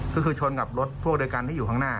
ก็คือชนกับรถพวกโดยกันที่อยู่ข้างหน้า